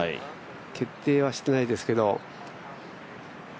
決定はしていないですけど。